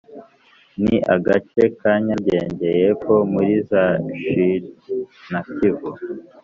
Ni agace ka Nyaruguru y’epfo muri za Nshili na Kivu